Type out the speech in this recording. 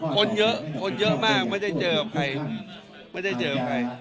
คนเยอะคนเยอะมากไม่ได้เจอใคร